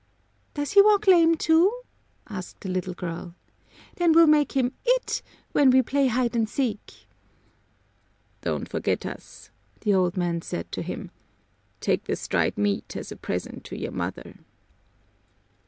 "Does he walk lame, too?" asked the little girl. "Then we'll make him 'it' when we play hide and seek." "Don't forget us," the old man said to him. "Take this dried meat as a present to your mother."